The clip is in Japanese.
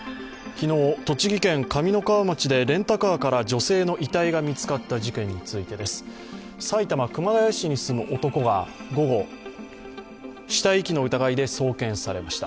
昨日、栃木県上三川町でレンタカーから女性の遺体が見つかった事件についてです。埼玉・熊谷市に住む男が午後、死体遺棄の疑いで送検されました。